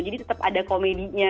jadi tetap ada komedinya